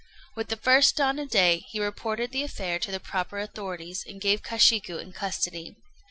With the first dawn of day, he reported the affair to the proper authorities, and gave Kashiku in custody.